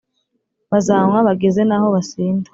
bazanywa bageze n’aho basinda,